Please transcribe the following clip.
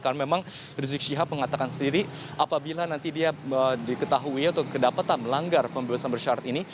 karena memang rizik syihab mengatakan sendiri apabila nanti dia diketahui atau kedapatan melanggar pembebasan bersyarat ini